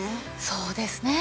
そうですねえ。